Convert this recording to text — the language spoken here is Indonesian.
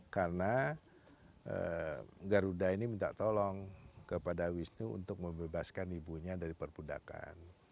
karena garuda ini minta tolong kepada wisnu untuk membebaskan ibunya dari perpudakaan